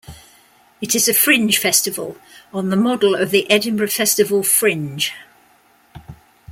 It is a fringe festival, on the model of the Edinburgh Festival Fringe.